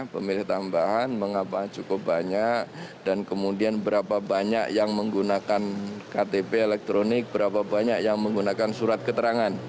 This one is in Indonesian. pemilih tambahan mengapa cukup banyak dan kemudian berapa banyak yang menggunakan ktp elektronik berapa banyak yang menggunakan surat keterangan